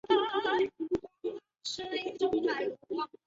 对列车运行进行集中控制。